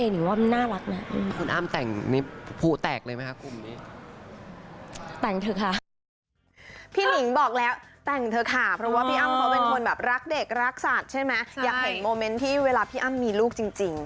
อยากเห็นโมเม้นท์ที่เวลาพี่อ้ำมีลูกจริง